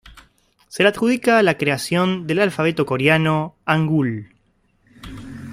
Se le adjudica la creación del alfabeto coreano, Hangul.